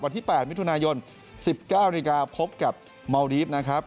วันที่๘มิถุนายน๑๙นพบกับเมาดีฟนะครับ